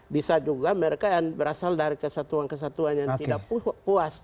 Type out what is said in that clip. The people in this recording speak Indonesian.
bisa juga mereka yang berasal dari kesatuan kesatuan yang tidak puas